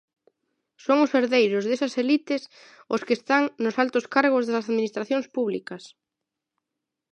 Son os herdeiros desas elites os que están nos altos cargos das administracións públicas.